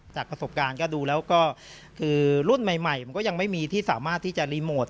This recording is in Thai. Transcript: จากประสบการณ์ก็ดูแล้วก็คือรุ่นใหม่มันก็ยังไม่มีที่สามารถที่จะรีโมท